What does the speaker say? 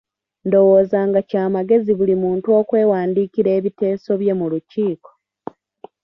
Ndowooza nga kya magezi buli muntu okwewandiikira ebiteeso bye mu lukiiko.